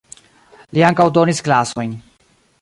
Li ankaŭ donis klasojn.